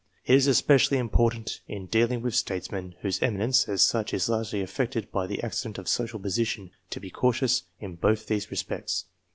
It is especially important in dealing with statesmen, whose eminence, as such, is largely affected by the accident of social position, to be cautious in both these respects.